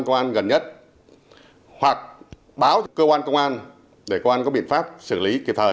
công an gần nhất hoặc báo cơ quan công an để cơ quan có biện pháp xử lý kịp thời